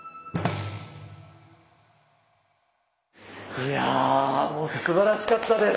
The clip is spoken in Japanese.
いやもうすばらしかったです！